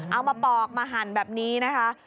เอามาปอกมาหั่นแบบนี้นะคะ